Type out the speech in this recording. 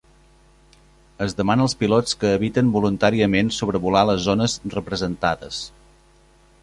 Es demana als pilots que eviten voluntàriament sobrevolar les zones representades.